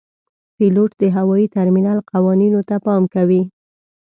پیلوټ د هوايي ترمینل قوانینو ته پام کوي.